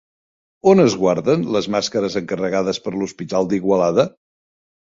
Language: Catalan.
On es guarden les màscares encarregades per l'Hospital d'Igualada?